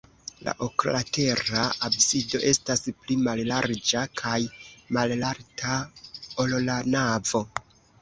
La oklatera absido estas pli mallarĝa kaj malalta, ol la navo.